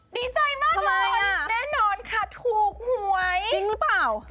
ดีใจมากเลยแน่นอนค่ะถูกหวยจริงหรือเปล่า